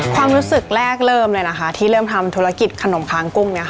ความรู้สึกแรกเริ่มเลยนะคะที่เริ่มทำธุรกิจขนมค้างกุ้ง